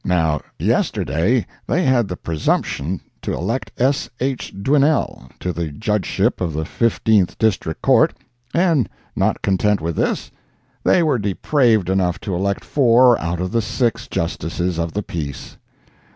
Now yesterday they had the presumption to elect S. H. Dwinelle to the Judgeship of the Fifteenth District Court, and not content with this, they were depraved enough to elect four out of the six Justices of the Peace!